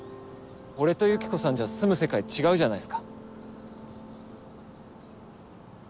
俺とユキコさんじゃ住む世界違うじゃないっすか。